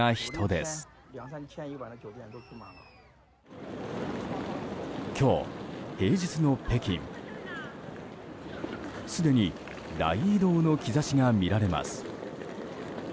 すでに大移動の兆しが見られます。